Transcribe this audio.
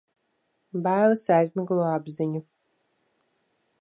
Bailes aizmiglo apziņu.